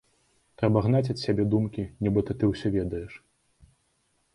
Трэба гнаць ад сябе думкі, нібыта ты ўсё ведаеш.